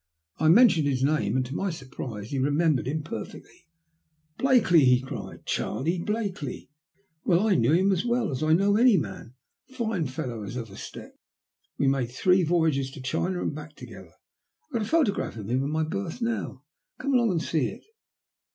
I mentioned his name, and to my surprise he remembered him per fectly. " Blakeley," he cried ;" Charley Blakeley, do you mean? Why, I knew him as well as I knew any man ! As fine a fellow as ever stepped. We made three voyages to China and back together. I've got a photograph of him in my berth now. Come along and see it."